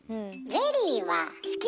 ゼリー好き。